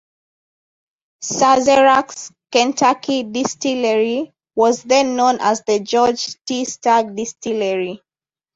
Sazerac's Kentucky distillery was then known as the George T. Stagg Distillery.